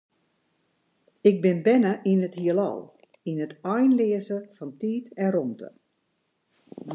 Ik bin berne yn it Hielal, yn it einleaze fan tiid en rûmte.